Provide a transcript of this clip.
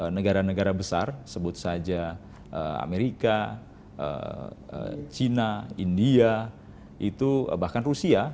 negara negara besar sebut saja amerika china india itu bahkan rusia